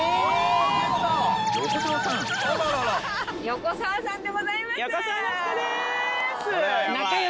横澤さんでございます！